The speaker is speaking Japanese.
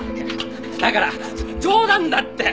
だから冗談だって。